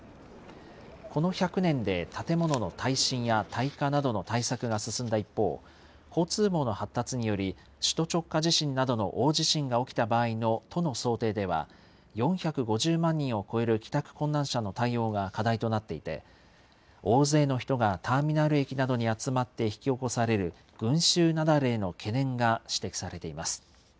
この１００年で、建物の耐震や耐火などの対策が進んだ一方、交通網の発達により、首都直下地震などの大地震が起きた場合の都の想定では、４５０万人を超える帰宅困難者の対応が課題となっていて、大勢の人がターミナル駅などに集まって引き起こされる群集雪崩への懸念が指摘されています。